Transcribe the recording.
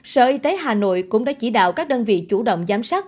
sở y tế hà nội cũng đã chỉ đạo các đơn vị chủ động giám sát